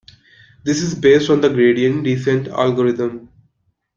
This is based on the gradient descent algorithm.